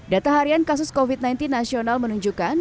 data harian kasus covid sembilan belas nasional menunjukkan